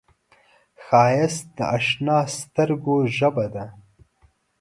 ښایست د اشنا سترګو ژبه ده